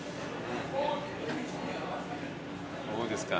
どうですか？